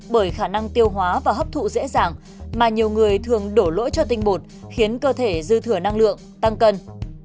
bởi khả năng tiêu hóa và hấp thụ dễ dàng mà nhiều người thường đổ lỗi cho tinh bột khiến cơ thể dư thừa năng lượng tăng cân